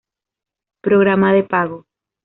Programa de pago.